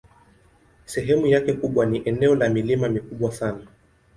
Sehemu yake kubwa ni eneo la milima mikubwa sana.